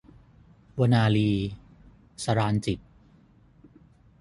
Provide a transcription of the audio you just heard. วนาลี - สราญจิตต์